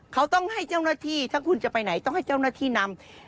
เขาต้องให้เจ้าหน้าที่ถ้าคุณจะไปไหนต้องให้เจ้าหน้าที่นำ